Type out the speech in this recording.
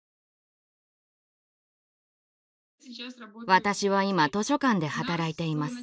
私は今図書館で働いています。